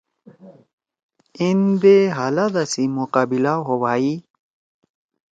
این دے حالادا سی مقابلہ ہوبھائی۔